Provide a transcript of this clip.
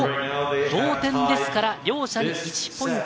同点ですから、両者に１ポイント。